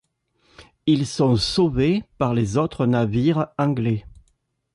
Ils sont sauvés par les autres navires anglais.